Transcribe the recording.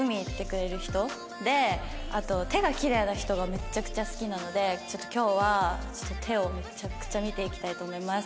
あと手がきれいな人がめっちゃくちゃ好きなのでちょっと今日は手をめちゃくちゃ見ていきたいと思います。